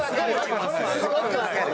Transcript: すごくわかる！